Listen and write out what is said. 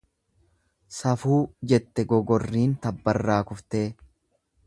Safuu jette gogorriin tabbarraa kuftee.